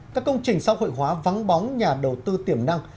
các công trình xã hội hóa vắng bóng nhà đầu tư tiềm năng